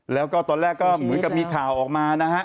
แล้วก็ตอนแรกก็เหมือนกับมีข่าวออกมานะฮะ